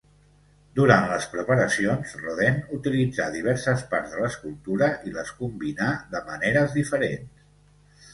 Durant les preparacions, Rodin utilitzà diverses parts de l'escultura i les combinà de maneres diferents.